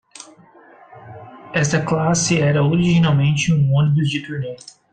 Esta classe era originalmente um ônibus de turnê.